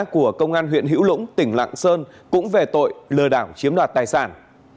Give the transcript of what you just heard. của công an huyện hữu lũng tỉnh lạng sơn cũng về tội lừa đảo chiếm đoạt tài sản